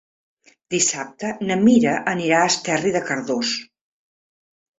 Dissabte na Mira anirà a Esterri de Cardós.